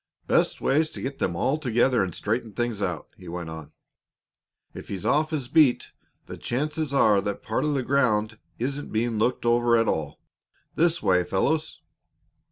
"Best way's to get them all together and straighten things out," he went on. "If he's off his beat, the chances are that part of the ground isn't being looked over at all. This way, fellows."